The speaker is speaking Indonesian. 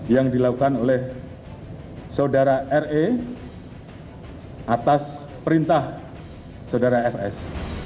yang dilakukan oleh saudara re atas perintah saudara fs